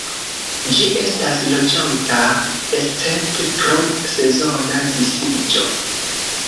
Ĝi estas loĝanta escepte pro sezona disiĝo.